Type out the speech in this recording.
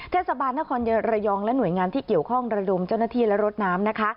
เทศบาลนครระยองและหน่วยงานที่เกี่ยวข้องระดมเจ้าหน้าที่และรถน้ำนะคะ